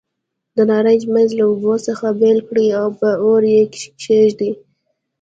د نارنج منځ له اوبو څخه بېل کړئ او په اور یې کېږدئ.